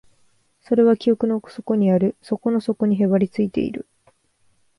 それは記憶の奥底にある、底の底にへばりついている